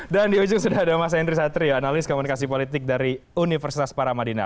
dan di ujung sudah ada mas hendri satrio analis komunikasi politik dari universitas paramadina